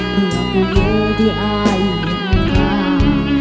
เพื่อผู้หญิงที่อายุทาง